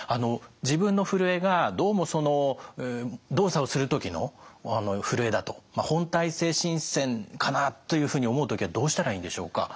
自分のふるえがどうもその動作をする時のふるえだと本態性振戦かなというふうに思う時はどうしたらいいんでしょうか。